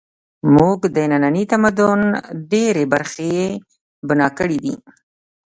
زموږ د ننني تمدن ډېرې برخې یې بنا کړې دي